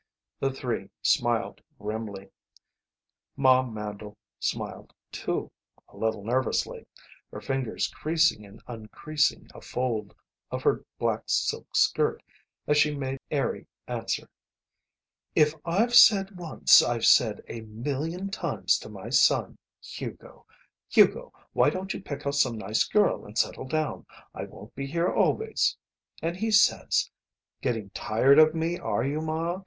The three smiled grimly. Ma Mandle smiled, too, a little nervously, her fingers creasing and uncreasing a fold of her black silk skirt as she made airy answer: "If I've said once I've said a million times to my son Hugo, 'Hugo, why don't you pick out some nice girl and settle down? I won't be here always.' And he says, 'Getting tired of me, are you, Ma?